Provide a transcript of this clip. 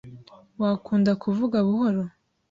Wakunda kuvuga buhoro?